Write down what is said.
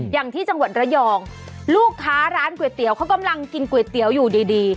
อย่างที่จังหวัดระยองลูกค้าร้านก๋วยเตี๋ยวเขากำลังกินก๋วยเตี๋ยวอยู่ดี